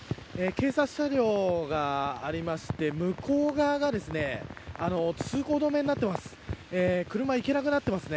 警察車両がありまして向こう側が通行止めになっています。